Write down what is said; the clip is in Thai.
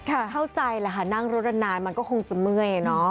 เข้าใจแหละค่ะนั่งรถนานมันก็คงจะเมื่อยเนอะ